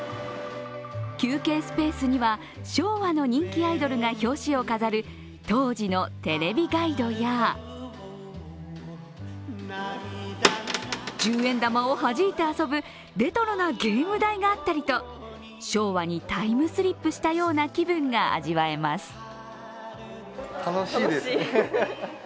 休憩スペースには昭和の人気アイドルが表紙を飾る当時の「ＴＶガイド」や十円玉をはじいて遊ぶレトロなゲーム台があったりと昭和にタイムスリップしたような気分が味わえます。